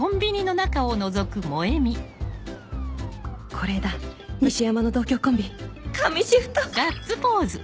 是枝西山の同郷コンビ神シフト！